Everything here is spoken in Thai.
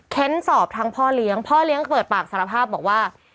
สอบทั้งพ่อเลี้ยงพ่อเลี้ยงเปิดปากสารภาพบอกว่า